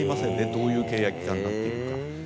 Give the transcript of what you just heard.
どういう契約期間になっているか。